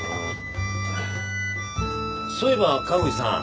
そういえば川藤さん。